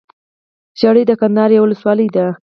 ژړۍ دکندهار يٶه ولسوالې ده